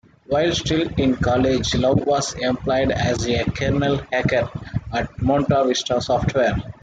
While still in college, Love was employed as a kernel hacker at MontaVista Software.